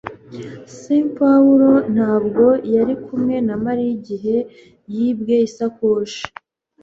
S Pawulo ntabwo yari kumwe na Mariya igihe yibwe isakoshi